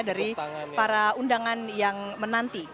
dari para undangan yang menanti